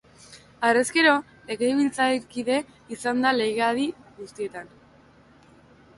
Harrezkero, legebiltzarkide izan da legealdi guztietan.